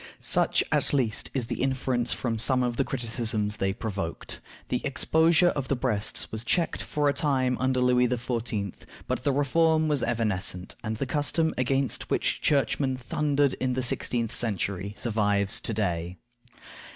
Such, at least, is the inference from some of the criticisms they provoked. The exposure of the breasts was checked for a time under Louis XIV., but the reform was evanescent, and the custom against which churchmen thundered in the sixteenth century survives to day.